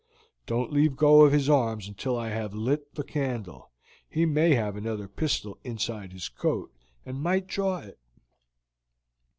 Don't leave go of his arms until I have lit the candle; he may have another pistol inside his coat, and might draw it."